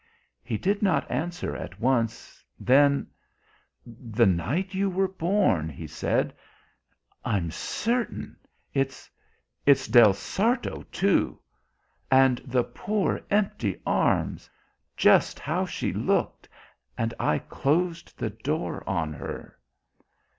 He did not answer at once, then: "The night you were born " he said. "I'm certain.... It's it's Del Sarto too! And the poor empty arms. Just how she looked, and I closed the door on her."